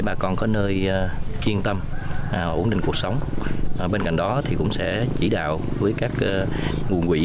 bà con có nơi kiên tâm ổn định cuộc sống bên cạnh đó thì cũng sẽ chỉ đạo với các nguồn quỹ